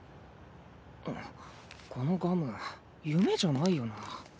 あこのガム夢じゃないよな。